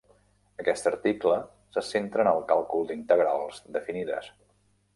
Aquest article se centra en el càlcul d'integrals definides.